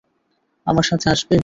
আমার সাথে আসবে!